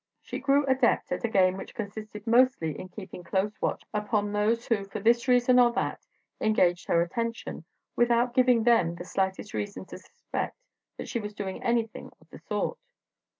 She grew adept at a game which consisted mostly in keeping close watch upon those who for this reason or that engaged her attention, without giving them the slightest reason to suspect she was doing anything of the sort.